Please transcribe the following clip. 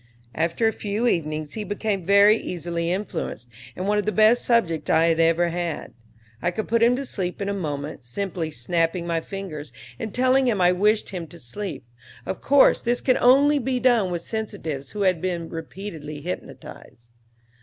After a few evenings he became very easily influenced and one of the best subjects I had ever had. I could put him to sleep in a moment, simply snapping my fingers and telling him I wished him to sleep; of course this can only be done with sensitives who have been repeatedly hypnotized.